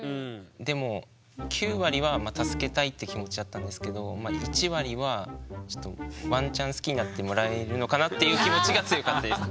でも９割は助けたいって気持ちだったんですけど１割はちょっとワンチャン好きになってもらえるのかなっていう気持ちが強かったです。